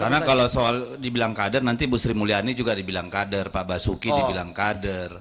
karena kalau soal dibilang kader nanti bu sri mulyani juga dibilang kader pak basuki dibilang kader